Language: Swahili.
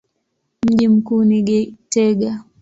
Mji mkuu ni Gitega.